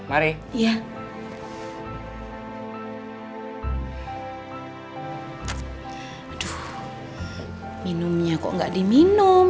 minumnya kok gak diminum